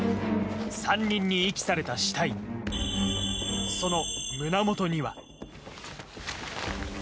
山林に遺棄された死体その兄貴